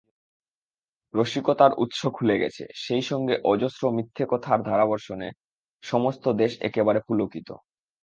রসিকতার উৎস খুলে গেছে, সেইসঙ্গে অজস্র মিথ্যেকথার ধারাবর্ষণে সমস্ত দেশ একেবারে পুলকিত।